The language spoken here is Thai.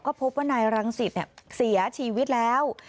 ก็พบว่านายรังสิตเสียชีวิตแล้ว